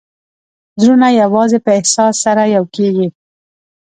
زړونه یوازې په احساس سره یو کېږي.